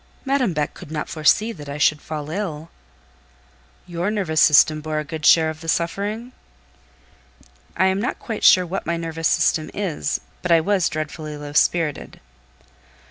"Madame Beck could not foresee that I should fall ill." "Your nervous system bore a good share of the suffering?" "I am not quite sure what my nervous system is, but I was dreadfully low spirited."